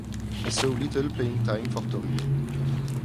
He saw little playing time for Torino.